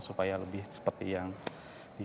supaya lebih seperti yang di